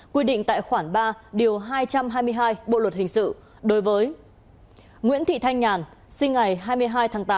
quy định tại khoản ba điều hai trăm hai mươi hai bộ luật hình sự đối với nguyễn thị thanh nhàn sinh ngày hai mươi hai tháng tám